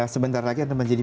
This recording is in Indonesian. sebentar lagi akan menjadi